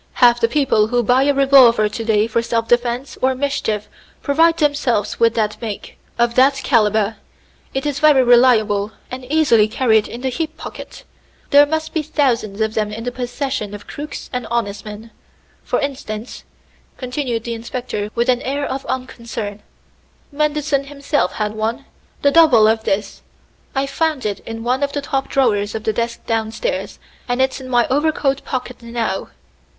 Half the people who buy a revolver to day for self defense or mischief provide themselves with that make, of that caliber. It is very reliable, and easily carried in the hip pocket. There must be thousands of them in the possession of crooks and honest men. For instance," continued the inspector with an air of unconcern, "Manderson himself had one, the double of this. I found it in one of the top drawers of the desk downstairs, and it's in my overcoat pocket now."